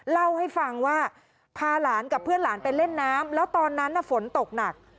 เล่าให้ฟังว่าพาหลานกับเพื่อนหลานไปเล่นน้ำแล้วตอนนั้นฝนตกหนัก